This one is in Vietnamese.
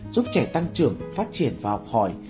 giúp trẻ tăng trưởng phát triển và học hỏi